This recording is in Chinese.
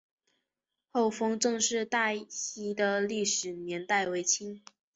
厚丰郑氏大厝的历史年代为清。